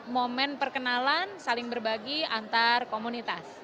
momen perkenalan saling berbagi antar komunitas